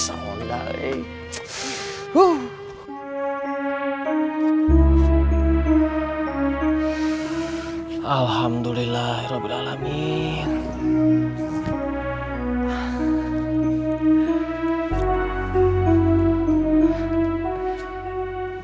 alhamdulillah ya allah beralamin